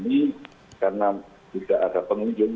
jadi analisisnya ini karena tidak ada pengunjung